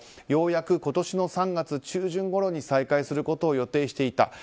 ようやく今年の３月中旬頃に再開することを予定していた。